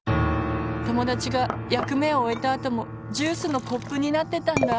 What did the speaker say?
ともだちがやくめをおえたあともジュースのコップになってたんだ。